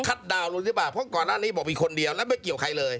ดาวนลงหรือเปล่าเพราะก่อนหน้านี้บอกมีคนเดียวแล้วไม่เกี่ยวใครเลย